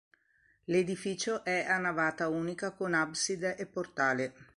L'edificio è a navata unica con abside e portale.